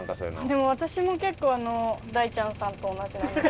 でも私も結構あの大ちゃんさんと同じなんですけど。